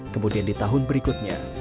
kemudian di tahun berikutnya